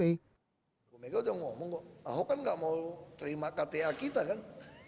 ahok kan gak mau terima kta kita kan